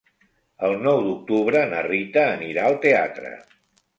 El nou d'octubre na Rita anirà al teatre.